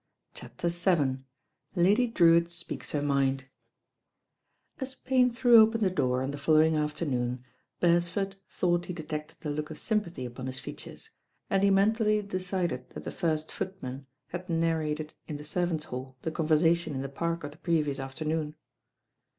CHAPTER VII LADY DREWnr SPEAKS HER MIND AS Payne threw open the door on the follow ing afternoon, Beresford thought he de tected a look of sympathy upon hfs features, and he mentally decided that the first footman had narrated in the servants' hall the conversaticn in the Park of the previous afternoon.